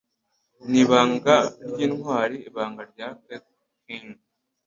Ni Ibanga ry'Intwari Ibanga rya Kathy Kain?